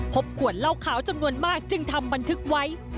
ขวดเหล้าขาวจำนวนมากจึงทำบันทึกไว้